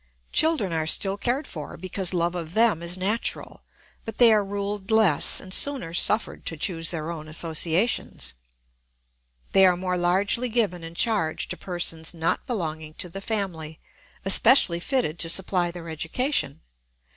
Children are still cared for, because love of them is natural, but they are ruled less and sooner suffered to choose their own associations. They are more largely given in charge to persons not belonging to the family, especially fitted to supply their education.